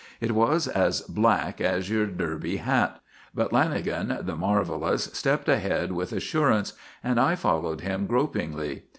It was as black as your derby hat. But Lanagan, the marvellous, stepped ahead with assurance and I followed him gropingly.